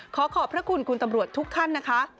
ขอขอบพระคุณคุณตำรวจทุกท่านนะคะ